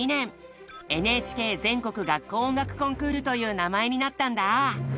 「ＮＨＫ全国学校音楽コンクール」という名前になったんだ。